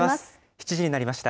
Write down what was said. ７時になりました。